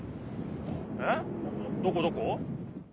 えっどこどこ？